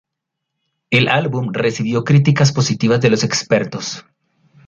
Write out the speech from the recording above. El álbum recibió críticas positivas de los expertos.